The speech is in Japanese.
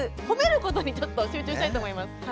ほめることにちょっと集中したいと思います。